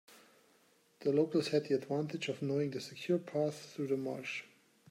The locals had the advantage of knowing the secure path through the marsh.